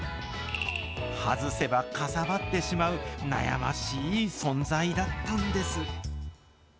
外せばかさばってしまう、悩ましい存在だったんです。